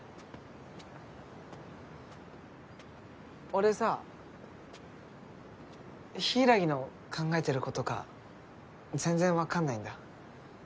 俺さ柊の考えてることが全然分かんないんだ。